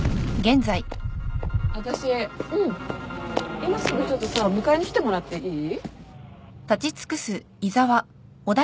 今すぐちょっとさ迎えに来てもらっていい？